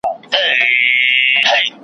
زورورو د کمزورو برخي وړلې